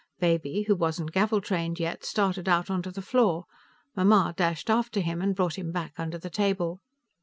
Baby, who wasn't gavel trained yet, started out onto the floor; Mamma dashed after him and brought him back under the table.